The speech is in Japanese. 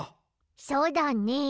そうだね。